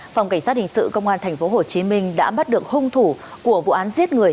phòng cảnh sát hình sự công an tp hcm đã bắt được hung thủ của vụ án giết người